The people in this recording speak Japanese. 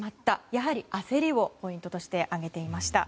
やはり焦りをポイントとして挙げていました。